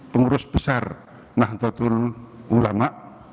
pengurus besar nahdlatul ulama